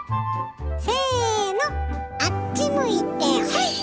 せのあっち向いてホイ！